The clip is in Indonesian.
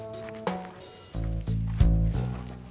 harus kita cari perempuan itu